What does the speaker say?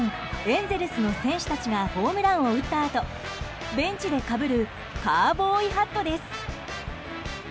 エンゼルスの選手たちがホームランを打ったあとベンチでかぶるカウボーイハットです。